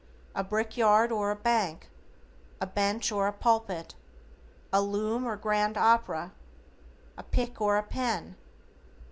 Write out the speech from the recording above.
A brickyard or a bank? A bench or a pulpit? A loom or grand opera? A pick or a pen?